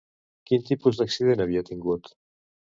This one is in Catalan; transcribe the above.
Quin tipus d'accident havia tingut?